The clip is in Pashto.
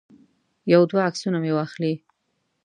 یو دوه عکسونه مې واخلي.